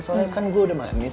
soalnya kan gue udah manis